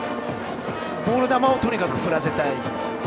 ボール球をとにかく振らせたい。